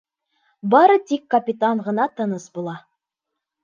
Бары тик капитан ғына тыныс була.